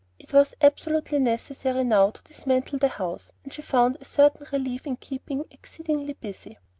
It was absolutely necessary now to dismantle the house, and she found a certain relief in keeping exceedingly busy.